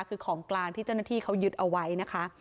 คือของกลางที่เจ้าหน้าที่เขายึดเอาไว้นะคะ